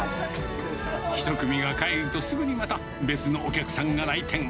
１組が帰るとすぐにまた別のお客さんが来店。